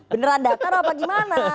beneran datar apa gimana